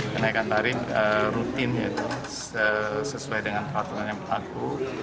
kenaikan tarif rutin sesuai dengan peraturan yang berlaku